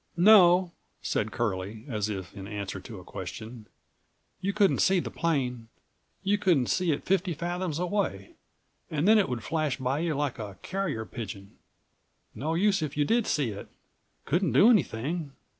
"No," said Curlie, as if in answer to a question, "you couldn't see the plane. You couldn't see it fifty fathoms away and then it would flash by you like a carrier pigeon. No use if you did see it. Couldn't do anything.